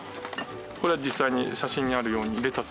これは実際に写真にあるようにレタス。